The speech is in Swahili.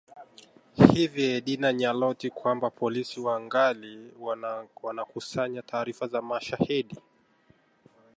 hiyo Edna Nyaloti kwamba Polisi wangali wanakusanya taarifa za mashahidi